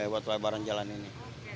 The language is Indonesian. iya buat pelebaran jalan ini